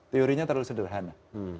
teorinya terlalu sederhana